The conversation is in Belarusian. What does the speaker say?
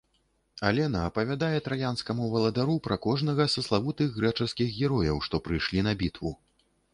Алена апавядае траянскаму валадару пра кожнага са славутых грэчаскіх герояў, што прыйшлі на бітву.